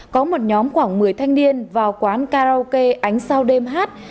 có một nhóm khoảng một mươi thanh niên vào quán karaoke ánh sao đêm hát